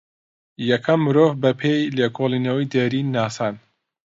یەکەم مرۆڤ بە پێێ لێکۆڵێنەوەی دێرین ناسان